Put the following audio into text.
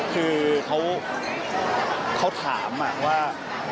คือเขาถามว่า